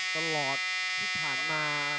และแพ้๒๐ไฟ